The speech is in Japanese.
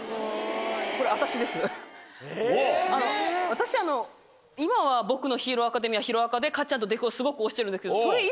私今は『僕のヒーローアカデミア』『ヒロアカ』でかっちゃんとデクをすごく推してるんですけど。